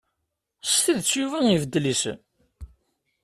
S tidet Yuba ibeddel isem?